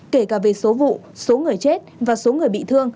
kể cả về số vụ số người chết và số người bị thương